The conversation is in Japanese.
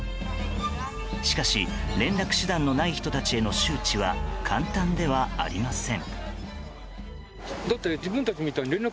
しかし連絡手段のない人たちへの周知は簡単ではありません。